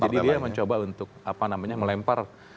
jadi dia mencoba untuk melempar